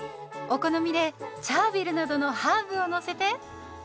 お好みでチャービルなどのハーブをのせて。